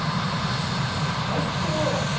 これ最高だわ。